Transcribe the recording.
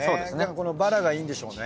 このバラがいいんでしょうね。